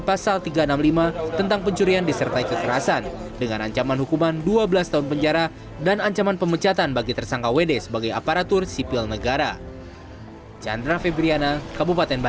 pasal tiga ratus enam puluh lima tentang pencurian disertai kekerasan dengan ancaman hukuman dua belas tahun penjara dan ancaman pemecatan bagi tersangka wd sebagai aparatur sipil negara